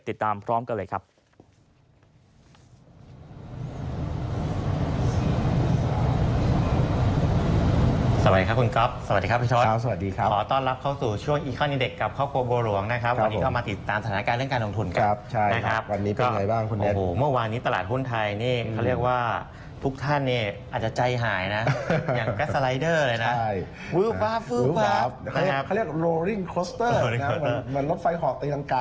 ติดตามพร้อมกันเลยครับ